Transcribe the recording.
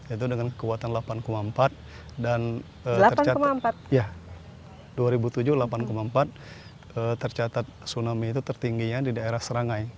itu dengan kekuatan delapan empat dan tercatat tsunami itu tertingginya di daerah serangai